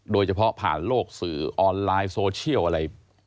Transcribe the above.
โดยเฉพาะผ่านโลกสื่อออนไลน์โซเชียลอะไร